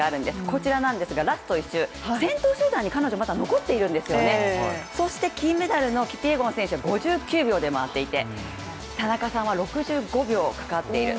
こちらなんですが、ラスト１周、先頭集団に彼女、まだ残っているんです、金メダルのキピエゴン選手は５９秒で周っていて田中さんは６５秒かかっている。